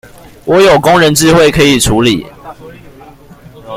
我有工人智慧可以處理